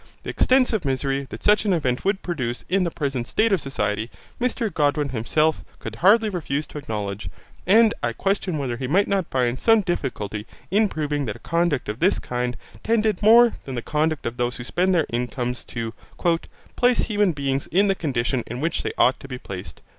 The extensive misery that such an event would produce in the present state of society Mr Godwin himself could hardly refuse to acknowledge, and I question whether he might not find some difficulty in proving that a conduct of this kind tended more than the conduct of those who spend their incomes to 'place human beings in the condition in which they ought to be placed.'